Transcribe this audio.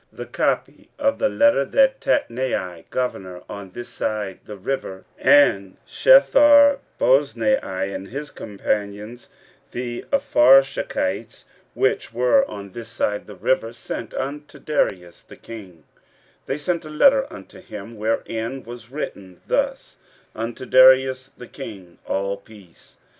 15:005:006 The copy of the letter that Tatnai, governor on this side the river, and Shetharboznai and his companions the Apharsachites, which were on this side the river, sent unto Darius the king: 15:005:007 They sent a letter unto him, wherein was written thus; Unto Darius the king, all peace.